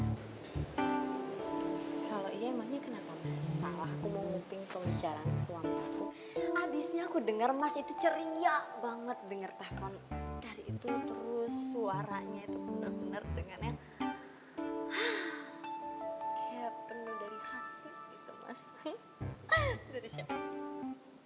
mas kalau emangnya kenapa mas salahku mau nguping punggung jalan suami aku habisnya aku denger mas itu ceria banget denger tapan dari itu terus suaranya itu bener bener dengan yang kayak penuh dari hati gitu mas dari siapa sih